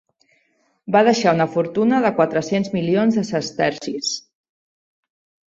Va deixar una fortuna de quatre-cents milions de sestercis.